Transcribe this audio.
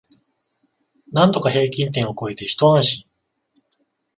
なんとか平均点を超えてひと安心